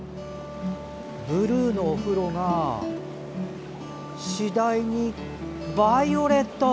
ブルーのお風呂が次第にバイオレット！